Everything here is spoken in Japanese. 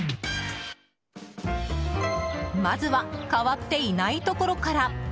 まずは変わっていないところから。